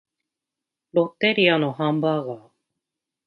ロッテリアのハンバーガー